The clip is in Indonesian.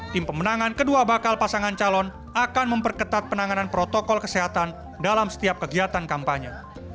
tim pemenangan kedua bakal pasangan calon akan memperketat penanganan protokol kesehatan dalam setiap kegiatan kampanye